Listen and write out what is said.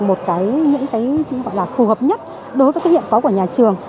một cái những cái gọi là phù hợp nhất đối với cái hiện có của nhà trường